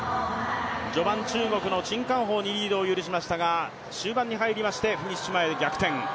序盤、中国の陳冠鋒にリードを許しましたが終盤に入りましてフィニッシュ前で逆転。